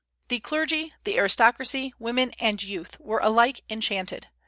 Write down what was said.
The clergy, the aristocracy, women, and youth were alike enchanted.